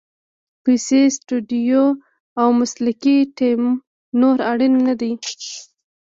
پیسې، سټوډیو او مسلکي ټیم نور اړین نه دي.